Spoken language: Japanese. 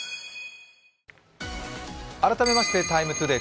改めまして、「ＴＩＭＥ，ＴＯＤＡＹ」。